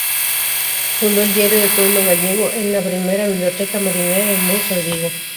Fundó el diario "El Pueblo Gallego" y la primera biblioteca marinera en Bouzas, Vigo.